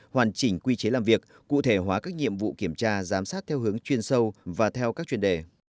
hoàn chỉnh quy chế làm việc cụ thể hóa các nhiệm vụ kiểm tra giám sát theo hướng chuyên sâu và theo các chuyên đề